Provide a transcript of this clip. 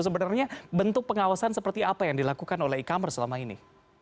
sebenarnya bentuk pengawasan seperti apa yang dilakukan oleh e commerce selama ini